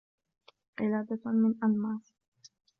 قلادة من الماس